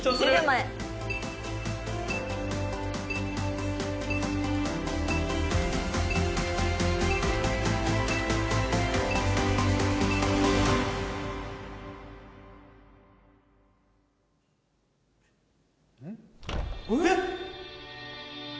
えっ！